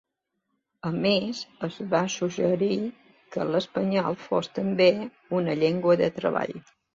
A més, es va suggerir que l'espanyol fos també una llengua de treball.